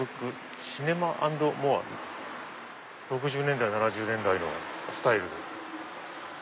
６０年代７０年代のスタイル。